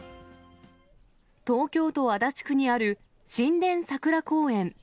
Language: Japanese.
東京都足立区にある新田さくら公園。